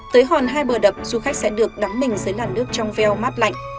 tới hòn hai bờ đập du khách sẽ được đắm mình dưới làn nước trong veo mát lạnh